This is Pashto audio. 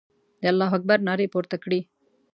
د الله اکبر نارې پورته کړې.